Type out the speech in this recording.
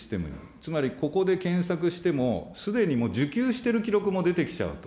つまりここで検索しても、すでに受給している記録も出てきちゃうと。